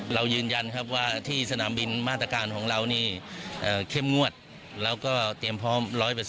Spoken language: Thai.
เรายืนยันครับว่าที่สนามบินมาตรการของเรานี่เข้มงวดแล้วก็เตรียมพร้อม๑๐๐